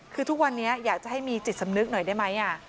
คือทุกวันนี้อยากจะให้มีจิตสำนึกหน่อยได้ไหม